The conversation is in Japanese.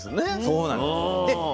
そうなんです。